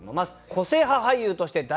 個性派俳優として大活躍